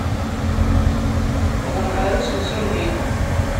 Wwḍen ɣer usensu-nni.